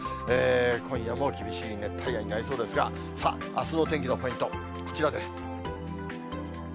今夜も厳しい熱帯夜になりそうですが、さあ、あすの天気のポイント、こちらです。